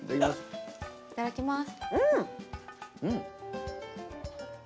いただきます。